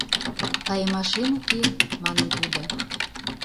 — Кайымашем уке, — манын тудо.